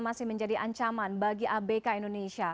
masih menjadi ancaman bagi abk indonesia